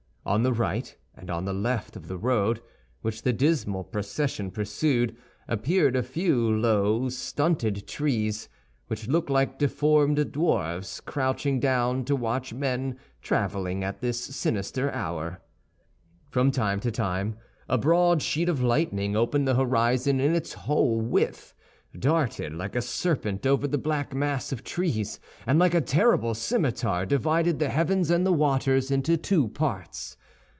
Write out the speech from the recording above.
On the right and on the left of the road, which the dismal procession pursued, appeared a few low, stunted trees, which looked like deformed dwarfs crouching down to watch men traveling at this sinister hour. From time to time a broad sheet of lightning opened the horizon in its whole width, darted like a serpent over the black mass of trees, and like a terrible scimitar divided the heavens and the waters into two parts.